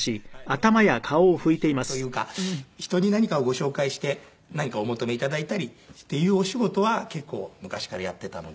色んな営業職というか人に何かをご紹介して何かお求め頂いたりっていうお仕事は結構昔からやっていたので。